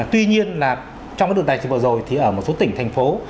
tuy nhiên là trong cái đợt đại dịch vừa rồi thì ở một số tỉnh thành phố